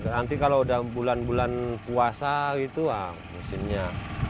nanti kalau udah bulan bulan puasa gitu ya musimnya